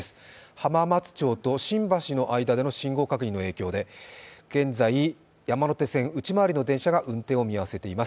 浜松町と新橋の間での信号確認の影響で現在、山手線内回りの電車が運転を見合わせています。